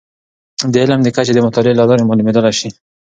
د علم کچې د مطالعې له لارې معلومیدلی شي.